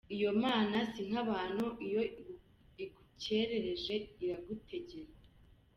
Iyo Mana si nk’abantu iyo igukerereje iragutegera.